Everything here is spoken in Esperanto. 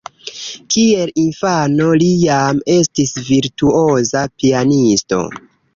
Kiel infano, li jam estis virtuoza pianisto.